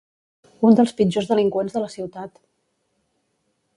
Un dels pitjors delinqüents de la ciutat!